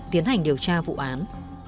tiến hành điều tra vụ án